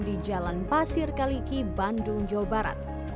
di jalan pasir kaliki bandung jawa barat